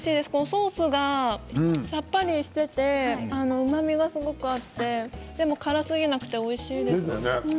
ソースがさっぱりしていてうまみがすごくあってでも辛すぎなくておいしいです。